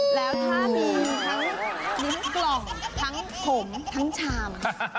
แล้วถ้ามีทั้งลิ้นกล่องทั้งผมทั้งชาม